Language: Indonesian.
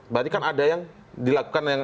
berarti kan ada yang dilakukan yang